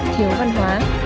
thiếu văn hóa